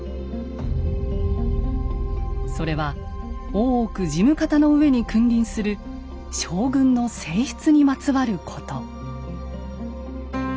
それは大奧事務方の上に君臨する将軍の正室にまつわること。